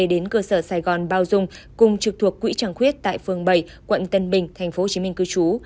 đến cơ sở sài gòn bao dung cùng trực thuộc quỹ tràng khuyết tại phường bảy quận tân bình tp hcm cư trú